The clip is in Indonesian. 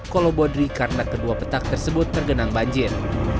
kolo bodri karena kedua petak tersebut tergenang banjir